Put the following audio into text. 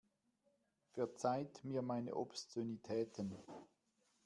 Verzeiht mir meine Obszönitäten.